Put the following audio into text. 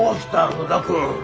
野田君。